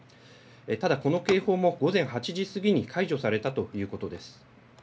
ただこの警報も午前８時過ぎに解除されたということです。